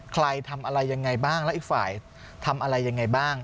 ใครทำอะไรยังไงบ้างแล้วอีกฝ่ายทำอะไรยังไงบ้าง